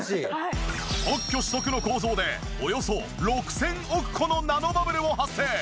特許取得の構造でおよそ６０００億個のナノバブルを発生！